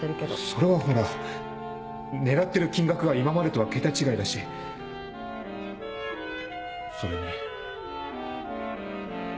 それはほら狙ってる金額が今までとは桁違いだしそれに。